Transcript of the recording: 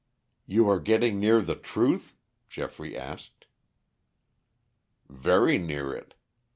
"You are getting near the truth?" Geoffrey asked. "Very near it.